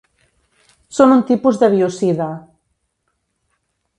Són un tipus de biocida.